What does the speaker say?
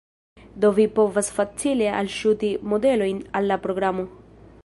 Do vi povas facile alŝuti modelojn al la programo